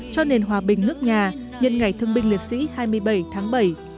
cho nền hòa bình nước nhà nhân ngày thương binh liệt sĩ hai mươi bảy tháng bảy